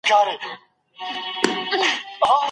د ګاونډي د کور رڼا په دیوال پرته وه.